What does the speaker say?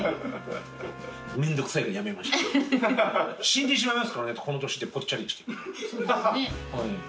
死んでしまいますからねこの年でぽっちゃりにしていくと。